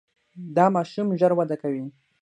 دا ماشوم ژر وده کوي.